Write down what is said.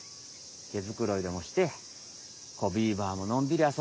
けづくろいでもして子ビーバーものんびりあそんでる。